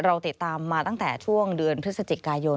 เราติดตามมาตั้งแต่ช่วงเดือนพฤศจิกายน